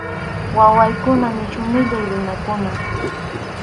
Wawaykunan nisyu millay runakunam.